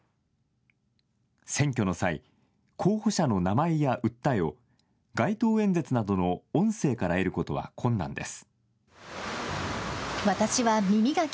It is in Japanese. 選挙の際、候補者の名前や訴えを街頭演説などの音声から得ることは困難です。